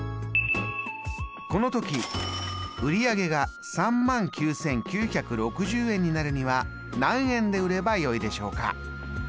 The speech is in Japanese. この時売り上げが３万９，９６０円になるには何円で売ればよいでしょうか？